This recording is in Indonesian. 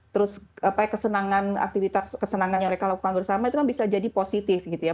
terus kesenangan aktivitas kesenangan yang mereka lakukan bersama itu kan bisa jadi positif gitu ya